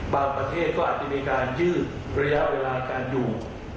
ประเทศก็อาจจะมีการยืดระยะเวลาการอยู่